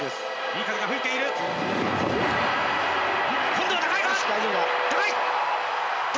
今度は高いか！？